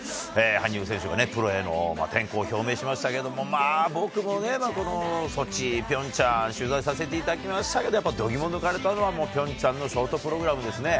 羽生選手がね、プロへの転向を表明しましたけれども、まあ、僕もね、このソチ、ピョンチャン、取材させていただきましたけど、やっぱ度肝抜かれたのはもうピョンチャンのショートプログラムですね。